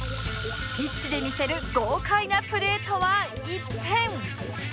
ピッチで見せる豪快なプレーとは一転